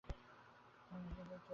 Hello hello, আপনার পরিচয় দিন?